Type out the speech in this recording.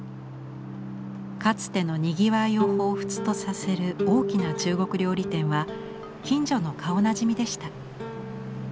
かつてのにぎわいを彷彿とさせる大きな中国料理店は近所の顔なじみでした。